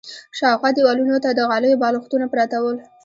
شاوخوا دېوالونو ته د غالیو بالښتونه پراته ول.